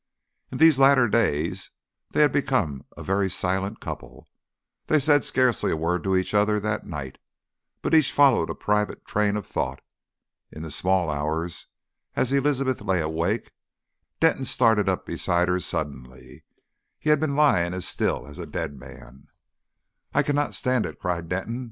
In these latter days they had become a very silent couple; they said scarcely a word to each other that night, but each followed a private train of thought. In the small hours, as Elizabeth lay awake, Denton started up beside her suddenly he had been lying as still as a dead man. "I cannot stand it!" cried Denton.